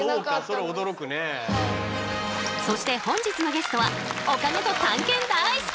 そして本日のゲストはお金と探検だい好き！